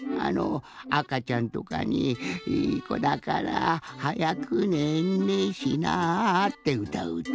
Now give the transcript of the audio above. あかちゃんとかに「いいこだからはやくねんねしな」ってうたううた。